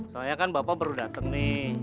soalnya kan bapak baru datang nih